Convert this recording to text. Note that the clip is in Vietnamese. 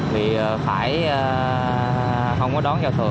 vì phải không có đón giao thừa